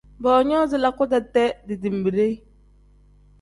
Boonyoozi lakuta-dee dibimbide.